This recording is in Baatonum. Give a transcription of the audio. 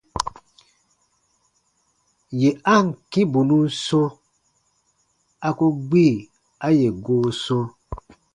Yè a ǹ kĩ bù nun sɔ̃, a ku gbi a yè goo sɔ̃.